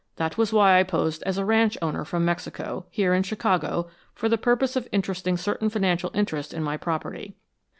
That was why I posed as a ranch owner from Mexico, here in Chicago for the purpose of interesting certain financial interests in my property.